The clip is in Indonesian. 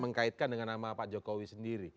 mengkaitkan dengan nama pak jokowi sendiri